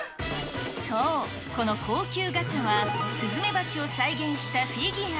そう、この高級ガチャは、スズメバチを再現したフィギュア。